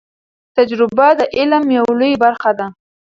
تجربه د علم یو لوی برخه ده.